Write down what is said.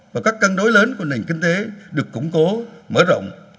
và các cân đối lớn của nền kinh tế được củng cố mở rộng